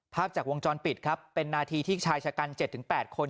ภาพจากวงจรปิดครับเป็นนาทีที่ชายชะกัน๗๘คน